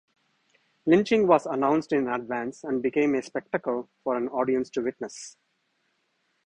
Lynching was announced in advance and became a spectacle for an audience to witness.